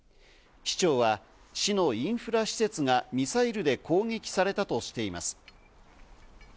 市長は、市のインフラ施設がミサイルで攻撃されたとしています。